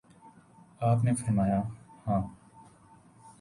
آپ نے فرمایا: ہاں